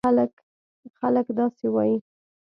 خلک داسې وایي: